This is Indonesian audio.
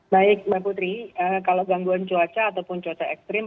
baik mbak putri kalau gangguan cuaca ataupun cuaca ekstrim